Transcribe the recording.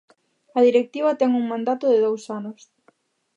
A directiva ten un mandato de dous anos.